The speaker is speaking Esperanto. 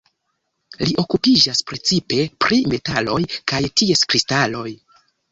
Li okupiĝas precipe pri metaloj kaj ties kristaloj.